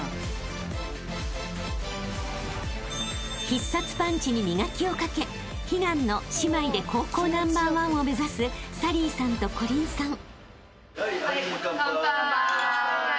［必殺パンチに磨きをかけ悲願の姉妹で高校ナンバーワンを目指す紗鈴依さんと縞鈴さん］